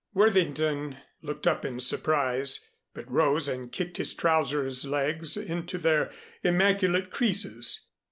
Worthington looked up in surprise, but rose and kicked his trousers legs into their immaculate creases.